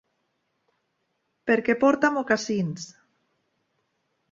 Perquè porta mocassins.